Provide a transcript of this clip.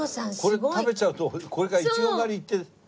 これ食べちゃうとこれからイチゴ狩り行って。